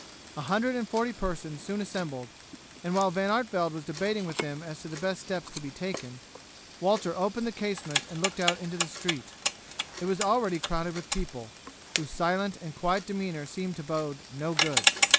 A hundred and forty persons soon assembled, and while Van Artevelde was debating with them as to the best steps to be taken, Walter opened the casement and looked out into the street. It was already crowded with the people, whose silent and quiet demeanor seemed to bode no good.